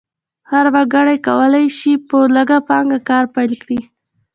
هر وګړی کولی شي په لږه پانګه کار پیل کړي.